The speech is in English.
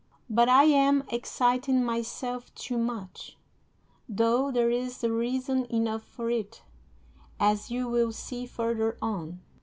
But I am exciting myself too much, though there is reason enough for it, as you will see further on.